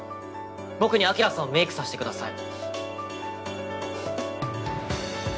僕にアキラさんをメイクさしてください。